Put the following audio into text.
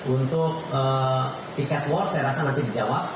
untuk tiket war saya rasa nanti dijawab